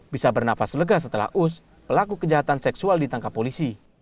bisa bernafas lega setelah us pelaku kejahatan seksual ditangkap polisi